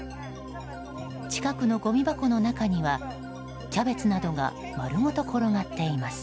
近くのごみ箱の中にはキャベツなどが丸ごと転がっています。